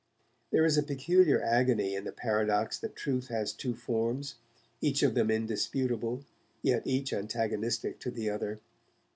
There is a peculiar agony in the paradox that truth has two forms, each of them indisputable, yet each antagonistic to the other.